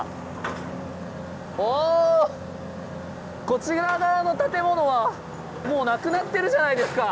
こちら側の建物はもうなくなってるじゃないですか！